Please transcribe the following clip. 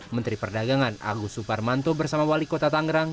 menteri perdagangan agus suparmanto bersama wali kota tangerang